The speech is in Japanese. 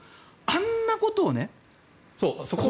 あんなことを。